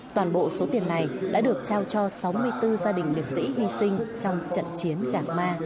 toàn bộ số tiền này đã được trao cho sáu mươi bốn gia đình liệt sĩ hy sinh trong trận chiến giảng ma